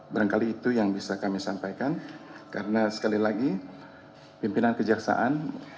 barangkali itu yang bisa kami sampaikan karena sekali lagi pimpinan kejaksaan